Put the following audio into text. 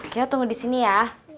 kiara tunggu disini ya